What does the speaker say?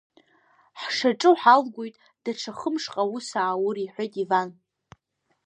Ҳшаҿу ҳалгоит, даҽа хымшҟа аус ааур, — иҳәеит Иван.